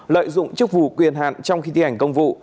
lợi dụng chức vụ quyền hạn trong khi thi hành công vụ